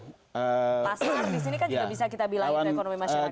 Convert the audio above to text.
pasang disini kan juga bisa kita bilangin ke ekonomi masyarakat